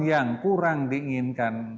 yang kurang diinginkan